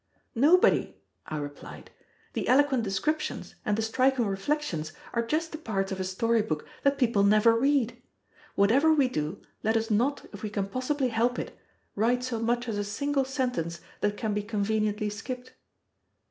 "Nobody!" I replied. "The eloquent descriptions and the striking reflections are just the parts of a story book that people never read. Whatever we do, let us not, if we can possibly help it, write so much as a single sentence that can be conveniently skipped.